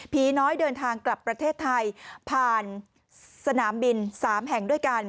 น้อยเดินทางกลับประเทศไทยผ่านสนามบิน๓แห่งด้วยกัน